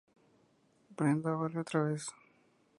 Brenda vuelve otra vez.